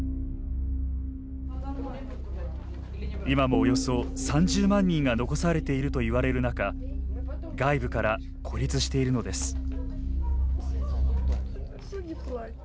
今もおよそ３０万人が残されているといわれる中外部から孤立しているのです。